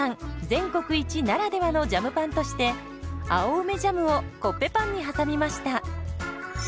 全国一ならではのジャムパンとして青梅ジャムをコッペパンに挟みました。